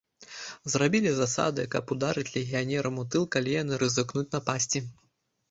Зрабілі засады, каб ударыць легіянерам у тыл, калі яны рызыкнуць напасці.